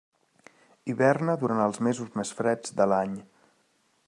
Hiberna durant els mesos més freds de l'any.